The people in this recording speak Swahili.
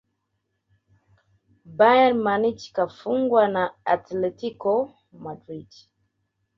bayern munich kafungwa na atletico madrid